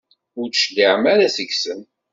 Ur d-tecliɛem ara seg-sen?